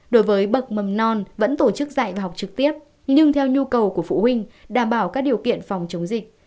đối với bậc mầm non vẫn tổ chức dạy và học trực tiếp nhưng theo nhu cầu của phụ huynh đảm bảo các điều kiện phòng chống dịch